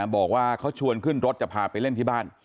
บอกว่าเขาชวนขึ้นรถจะพาไปเล่นที่บ้าน